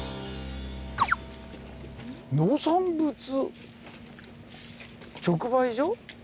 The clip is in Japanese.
農産物直売所？